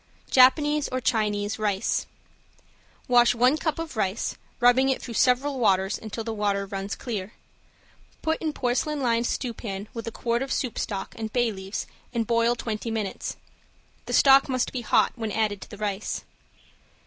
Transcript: ~JAPANESE OR CHINESE RICE~ Wash one cup of rice, rubbing it through several waters until the water runs clear. Put in porcelain lined stewpan with a quart of soup stock and bay leaves and boil twenty minutes. The stock must be hot when added to the rice.